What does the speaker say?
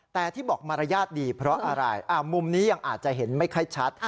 แต่ที่บอกมารยาทดีเพราะอะไรมุมนี้ยังอาจจะเห็นไม่ค่อยชัด